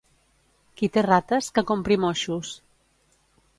Qui té rates que compri moixos.